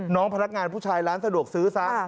พนักงานผู้ชายร้านสะดวกซื้อซะ